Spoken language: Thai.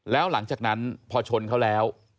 แล้วหลังจากนั้นพอชนเขาแล้ว